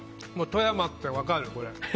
富山って分かる、これ。